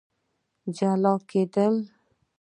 جلا کېدل